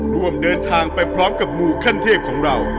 ร่วมเดินทางไปพร้อมกับมูขั้นเทพของเรา